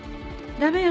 ダメよ